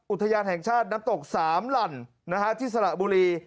อุทยานแห่งชาติน้ำตก๓หลั่นที่สระบุรี